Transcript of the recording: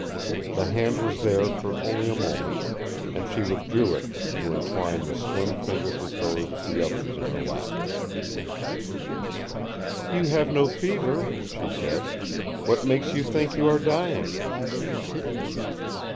The hand was there for only a moment, and she withdrew it to entwine the slim fingers with those of the others in her lap. "You have no fever," she said. "What makes you think you are dying?"